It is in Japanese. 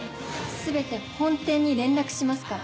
全て本店に連絡しますから。